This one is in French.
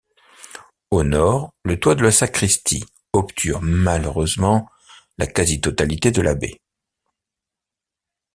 Au nord, le toit de la sacristie obture malheureusement la quasi-totalité de la baie.